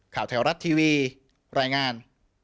ข่าวแถวรัตน์ทีวีรายงาน